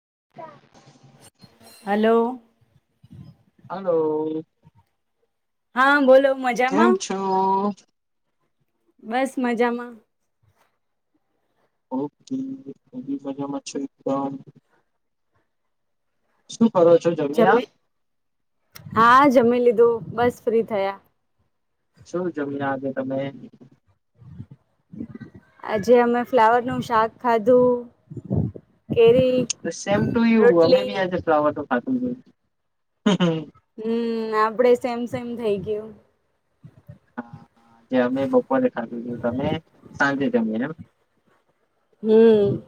[inaudible] Hello. Hello. હા બોલો! કેમ મજામાં છો? બસ મજામાં! બ એ મજામાં છે. સુ જમે હા જમી લી બસ ફ્રી થયા. શું જમ્યા આજે તમે? આજે અમે ફ્લાવર નું શાક ખાધું. કેરી સેમ ટુ યુ અમે રોટલી બી આજે ફ્લાવરનું ખાધું. હમ આપડે સેમ સેમ થઇ ગયું. અમે બપોરે ખાધું અને તમે? સાંજે જમ્યા એમ? હમ.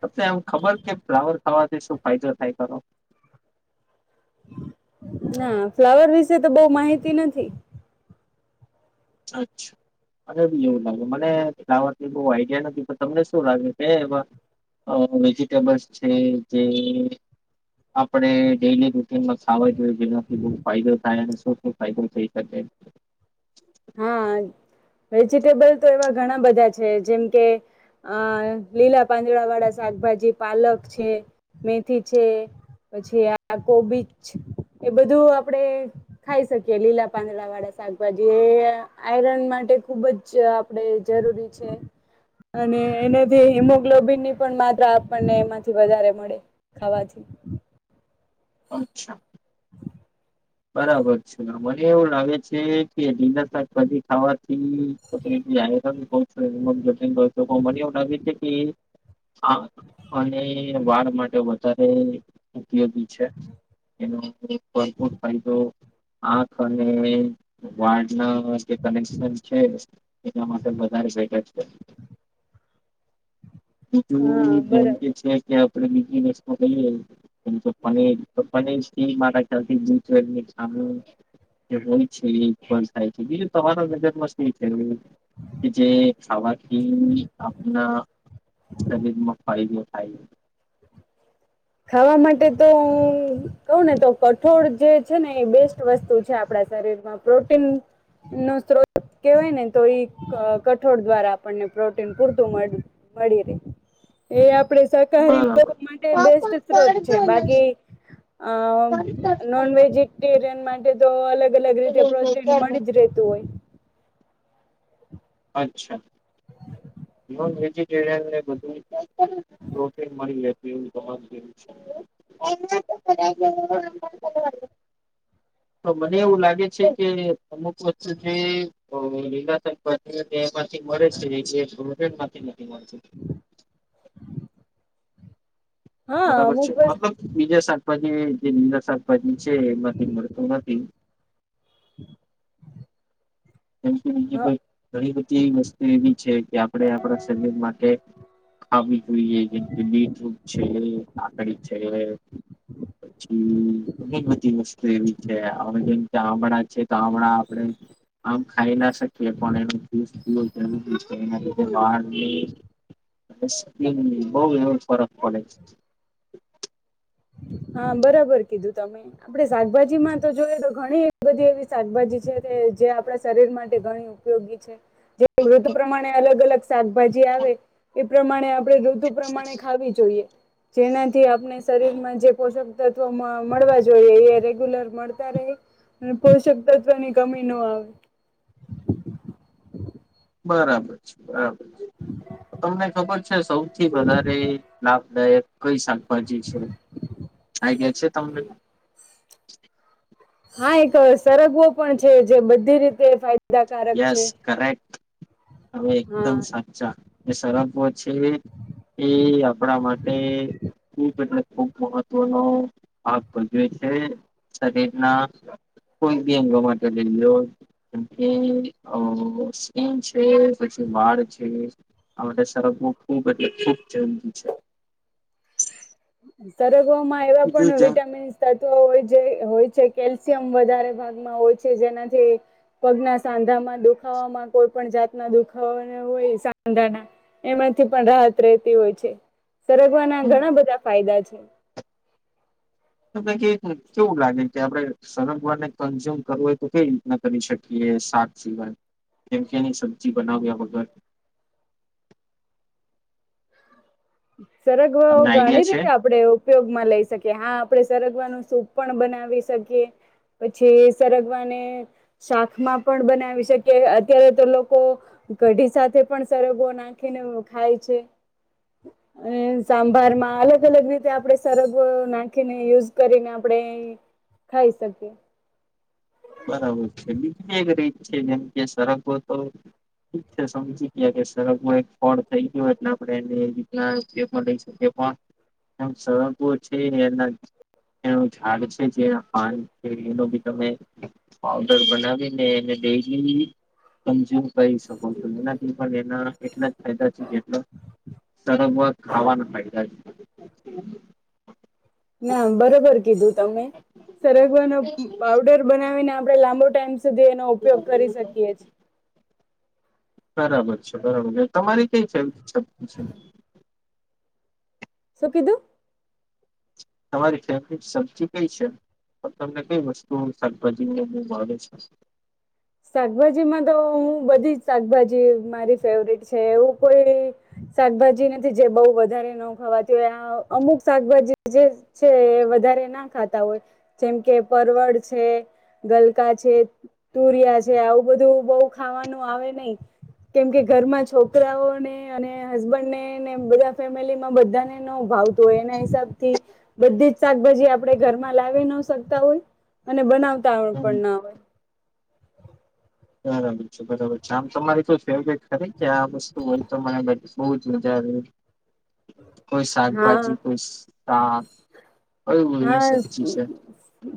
તો તમને એમ ખબર કે ફ્લાવર થવાથી શું ફાયદો થાય ખરો. ના ફ્લાવર વિશે તો બહું માહિતી નથી. અચ્છા મને બી એવું લાગે મને ખાવા બહું આઈડિયા નથી પણ તમને શું લાગે કે એવા વેજીિટેબલ્સ છે જે આપણે ડેલી રૂટીનમાં ખાવા જોઈએ જેનાથી બહું ફાયદો થાય શુ ફાયદો થઈ શકે? હા વેજિટેબલ તો એવા ઘણા બધા છે જેમ કે અ લીલા પાંદડા વાળા શાકભાજી પાલક છે મેથી છે પછી આ કોબીજ એ બધું આપડે ખાઈ શકીએ લીલા પાંદડા વાળા શાકભાજી એ આયરન માટે ખુબ જ આપણે જરૂરી છે અને એનાથી હિમોગ્લોબિન ની પણ માત્રા આપણને એમાંથી વધારે મળે ખાવાથી. અચ્છા. બરાબર છે મને એવું લાગે છે કે ડિનર પછી ખાવા પ્રતિનિધિ મ તો કો ન અને વાળ માટે વધારે ઉપયોગી છે એનો ભરપૂર ક તો આંખ અને વા ના જે કનેક્શન છે એના માટે વધારે બેટર છે. બ બીજું હા ધમ બરાબર કે છે કે બ ચપ્પાને ચ્પને મા ચાલ હોય છે એ પણ થાય છે બીજું તમારા નજરમાં શું થ કે જે ખાવાથી આપના શરીરમાં ફાયદો આઈ આવા માટે તો કહ ને તો કઠોળ જે છે ને એ બેસ્ટ વસ્તુ છે આપણા શરીરમાં પ્રોટીન નો સ્ત્રોત કેહેવાય ને તો એ કઠોળ દ્વારા આપણને પ્રોટીન પૂરતું મળી રહે એ આપ શાકારહારી બરાબર માટે બેસ્ટ બા માટે તો અલગ અલગ રીતે પ્રોટીન મળી જ રતું હોય. અચ્છા. નોન વેજીટેરિયન ને બધુ પ્રોટીન મળી લે તો મને એવું લાગે છે કે અમુક વસ્તુ જે લીલા શાકભાજી તે એમાંથી મળે છે. તે નથી નથી મળતું. હા બરાબર છે અમુક વસ્ત મતલબ બીજા શાક શાખભાજી જે નીલા શાકભાજી છે એમાંથી મળતું નથી. [inaudible] જેમ કે બીજી હ ઘણી બધી વસ્તુ એવી છે કે આપડે આપણા શરીર માટે ખાવી જોઈએ જેમ કે બીટરૂટ છે. કાકડી છે પછી ઘણી બધી વસ્તુ એવી છે હવે જેમ આમડા છે આમડા આપણે આમ ખાઈ ના શકીએ પણ એનું જ્યુસ [unintelligible] [unintelligible] બહુ એવો ફરક પડે છે. હા બરાબર કીધું તમે આપડે શાકભાજીમાં તો જોઈએ તો ઘણી બધી એ શાકભાજી છે જે આપણા શરીર માટે ઘણી ઉપયોગી છે જે ઋતુ પ્રમાણે અલગ અલગ શાકભાજી આવે એ પ્રમાણે આમ આપણે ઋતુ પ્રમાણે ખાવી જોઈએ જેનાથી આપણે શરીરમાં જે પોષક તત્વ મળવા જોઈએ એ રેગ્યુલર મળતા રહી પોષક તત્વ ની કમી નો આવે બરાબર છે બરાબર. તમને ખબર છે સૌથી વધારે લાભદાયક કઈ શાકભાજી છે આઈડિયા છે તમને? [unintelligible] હા એક સરગવો પણ છે જે બધી રીતે ફાય યસ કરેક્ટ હવે એકદમ હા સાચા સરપો છે એ આપણા માટે એ ખૂબ મહત્વનો ભાગ ભજવે છે શરીર ના કોઈ બી અંગો માટે એ સ્કિન છે પછી વાળ છે આ સરગવો ખૂબ એટલે ખૂબ જરૂરી છે. સર તો માય એ બીજું લોકોનો જેમ વિટામીન તત્વો હોય છે હોય છે. કેલ્શિયમ વધારે ભાગમાં હોય છે જેનાથી પગના સાંધામાં દુખાવામાં કોઈ પણ જાતના દુખાવા હોય સાંધા ના એમાંથી પણ રાહત રહેતી હોય છે સરગવાના ઘણા બધા ફાયદા છે. તને કે કેવું લાગે કે આપણે સરગવારને કન્ઝ્યુમ કરવું હોય તો કઈ રીતના કરી શકીએ શાક સિવાય કેમ કે એની સબ્જી બનાવ્યા વગર સરગવાઓ તમને ઘણી આઈડિયા છે રીતે આપડણે ઉપયોગમાં લઈ શકીએ હા આપણે સરગવાનું સૂપ પણ બનાવી શકીએ પછી સરગવાને શાકમાં પણ બનાવી શકીએ અત્યારે તો લોકો કઢી સાથે પણ સરગવો નાખીને ખાય છે. અને સાંભાર માં અલગ અલગ રીતે આપણે સરગ નાખીને યુઝ કરીને આપણે ખાઈ શકીએ. બીજી એક રીત છે જેમ કે સરગો તો છે સમજી ગયા કે સરગો એક ફળ થઈ ગયો એટ આપ શકીએ પણ સરગો છે એના એનું ઝાડ છે જે પાન છે એનો બી તમે પાવડર બનાવીને એને ડેલી કન્ઝ્યુમ કરી શકો છો એનાથી પણ એના એટલા જ. ફાયદા છે કે જેટલા સરંગવા ખાવાના ફાયદા છે. [inaudible] ના બરોબર કીધું તમે સરગવાનો છે. પાવડર બનાવીને આમ આપ લાંબો ટાઈમ. સુધી એનો ઉપયોગ કરી શકીએ. બરાબર છે બરાબર છે તમારી કઈબ છે. સુખીધું. તમારી ફેમિલી સૌથી કઈ છે પણ તમને કઈ વસ્તુ શાકભાજી છે. શાકભાજીમાં તો હું બધી જ શાકભાજી મારી ફેવટ છે એવું કોઈ શાકભાજી નથી જે બહ વધારે ન ખાવાતી હોય આ અમુક શાકભાજી જે છે વધારે ના ખાતા હોય જેમ કે પરવડ છે ગલકા છે. તુરિયા છે આવું બધું બહુ ખાવાનું આવે નહીિ કેમકે ઘરમાં છોકરાઓને અને હસબન્ડને ને બધા ફેમિલીમાં બધાને ન ભાવતું હોય એના હિસાબ થી બધી જ શાકભાજી આપણે ઘરમાં લાવી ન શકતા હોય અને બનાવ. ત હમ પણ ના હોય. બરાબર છે બરાબર છે આમ તમારી કો ફેવટ ખરી કે આ વસ્તુ હોયને બ જ મા. કોઈ હા શાકભાજી કોઈ. હા. હા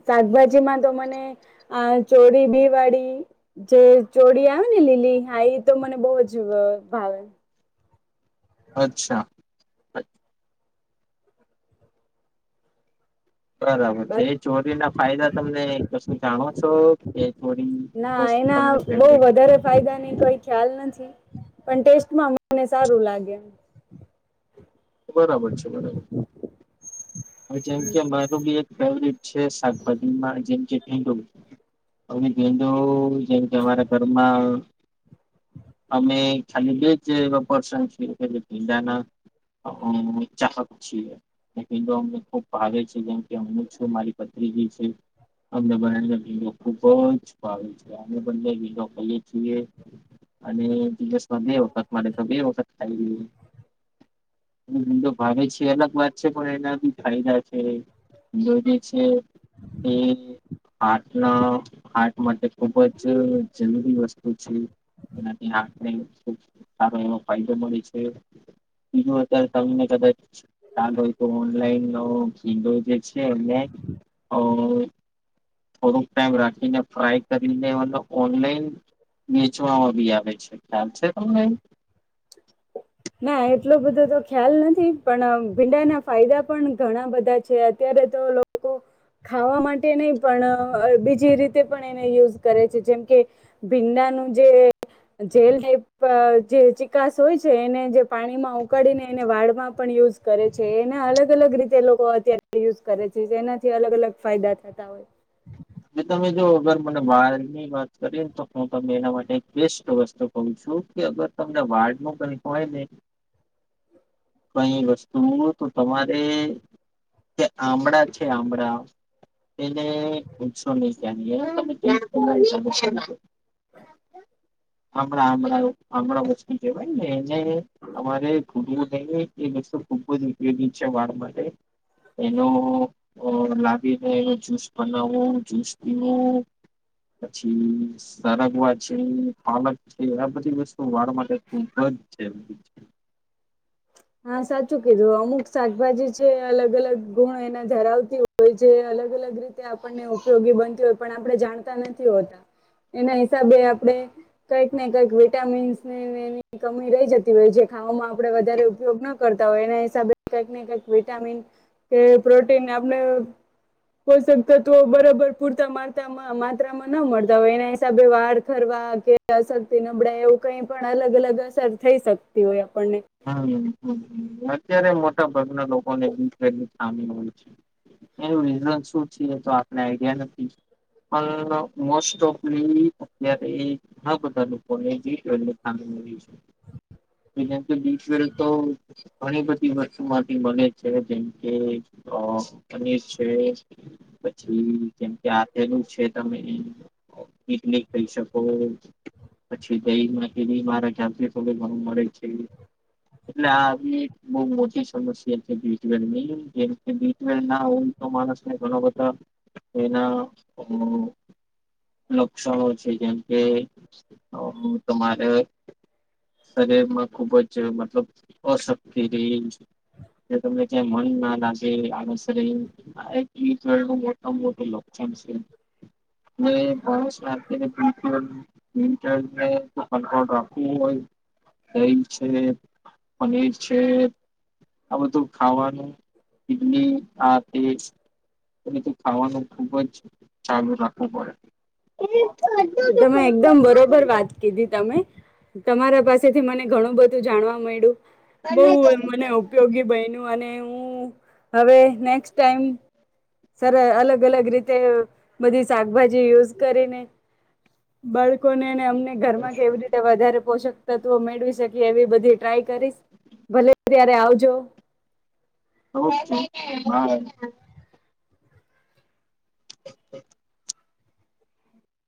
શાકભાજીમાં. તો મને આ ચોરી બી વાળી જે ચોરી આવે ને લીલી હા એ તો મને બહ જ ભાવે. અચ્છા. અચ. બરાબર છે બસ એ ચોરી ના ફાયદા તમને. જાવા. ના એના તમને બહું ફેવરેટ વધારે ફાયદા ની કોઈ ખ્યાલ નથી. પણ ટેસ્ટમાં મને સારું લાગે. બરાબર છે બરાબર છે. જેમ કે માનું બી ફેવરીટ છે શાકભાજીમાં જે મ ટિંડો [unintelligible] જે તમારા ઘરમાં અમે ખાલી બે જ પર્સન છીએ જે ટિંડા ના ચાહક છીએ એટલે ટિંદો ખૂબ ભાવે છે જેમ કે હું છું મારી ભત્રીજી છે એમને બંને ને ભીંડો ખૂબ જ ભાવે છે. અને અમે બંને ભીંડો ખાઈ એ છીએ અને દિવસ માં બે વખત મળે તો અમે બે વખત ખાઈએ અમને ભીંડો ભાવે છે એ અલગ વાત છે ને એના થી ફાયદા છે બ જે છે એ હાર્ટના હાર્ટ માટે ખુબ જ જરૂરી વસ્તુ છે જેનાથી હાર્ટ ને ખુબ સારો એ ફાયદો મળે છે બીજો અત્યારે તમને કદાચ. ચાલોય તો ઓનલાઈન [unintelligible] છે ને થોડુંક ટાઈમ રાખીને ફ્રાય કરીને મતલબ ઓનલાઈન વેચવામાં બી આવે છે ખ્યાલ છે તમને એ? ના એટલો બધો તો ખ્યાલ નથી પણ ભીંડાના ફાયદા પણ ઘણા બધા છે અત્યારે તો લોકો ખાવા માટે નહી પણ બીજી રીતે પણ એને યુઝ કરે છે જેમ કે ભીંડાનું જે જેલ ટાઈપ જે ચિકાસ હોય છે એને જે પાણીમાં ઉકળીને એને વાળમાં પણ યુઝ કરે છે એના અલગ અલગ રીતે લોકો અત્યારે યુઝ કરે છે એનાથી અલગ અલગ ફાયદા થતા હોય. હવે તમે જો અગર મને વાળ ની વાત કરી ને તો હું તને એના માટે બેસ્ટ વસ્તુ કહું છું કે અગર તમને વાળ ન કઈ હોય ને કઈ વસ્તુ તો તમારે જે આમળા છે આમળા એને [inaudible] [unintelligible] [inaudible] [unintelligible] સમજાય હે તમારે એ વસ્તુ ખુબ જ ઉપયોગી છે વાળ માટે એનો લાગીને એનો જુસ પણ જુસ પીવુ પછી સરગવા છે પાલક છે આ બધી વસ્તુ વાળ માટે ખૂબ જ છે હા સાચું કીધું અમુક શાકભાજી છે અલગ અલગ ગુણ એના ધરાવતી હોય જે અલગ અલગ રીતે આપણને ઉપયોગી બનતી હોય પણ આપણે જાણતા નથી હોતા એના હિસાબે આપણે કંઈક ને કંઈક વિટામીન્સની એની કમી રહી જતી હોય જે ખાવામાં આપણે વધારે ઉપયોગ ન કરતા હોય એના હિસાબે કઈક ને કઈક વિટામિન કે પ્રોટીન આપણે પોષક તત્વો બરાબર પૂરતા માત્રા માત્રામાં ન મળતા હોય એના હિસાબે વાળ ખરવા કે અશક્તિ નબળાઈ એવું કઈ પણ અલગ અલગ અસર થઈ શકતી હોય એમ. પણને હમ અત્યારે મોટાભાગના લોકોને બી ટ્વેલ ની ખામી હોય છે એનું રિઝન શું છે એ તો આપણે આઈડિયા નથી પણ મોસ્ટ ઓફલી અત્યારે ઘણા બધા લોકોને બી ટવેલ ની ખામી હોય છે એમ જો બી ટ્વેવલ તો ઘણી બધી વસ્તુમાંથી બને છે જેમ કે અ પનીર છે પછી જેમ કે આથેલું છે તમે ઈડલી કહી શકો પછી દહીમાંથીલી મારા ખ્યાલ થી ઘણું મળે છે. એટલે આ આવી એક બહું મોટી સમસ્યા છે બી ટ્વેલવ ની જેમ કે બી ટ્વેલવ ના હોય તો માણસને ઘણા બધા એના લક્ષણો જેમ કે તમારે શરીર માં ખુબ જ મતલબ અશક્તિ રે ને તમને ક્યા મન ના લાગે [unintelligible] આ મોટા મોટું લક્ષણ છે [unintelligible] રાખવું હોય છે પનીર છે આ બધું તો ખાવાનું ઇડલી આ તે એને તો ખાવાનું ખુબ જ ચાલુ રાખવું પડે. તમે એકદમ બરોબર વાત કીધી તમે તમારા પાસેથી મને ઘણું બધું જાણવા મળ્યું. બઉ મને ઉપયોગી બયનું. ને હું હવે નેકસટ ટાઈમ સર અલગ અલગ રીતે બધી શાકભાજી યુઝ કરીને બાળકોનેને ઘરમાં કેવી રીતે વધારે પોષક તત્વો મેળવી શકે. એવી બધી ટ્રાય કરીશ ભલે ત્યારે આવજો. [inaudible] [unintelligible]